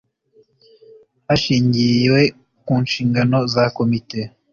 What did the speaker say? hashingiwe ku nshingano z a komite